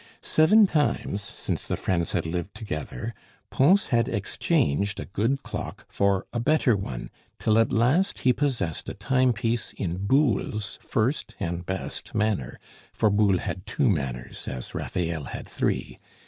Seven times since the friends had lived together, Pons had exchanged a good clock for a better one, till at last he possessed a timepiece in Boule's first and best manner, for Boule had two manners, as Raphael had three.